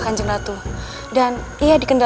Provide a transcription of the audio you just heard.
akan menyambutmu kelah